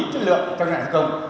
chất lượng trong nhà công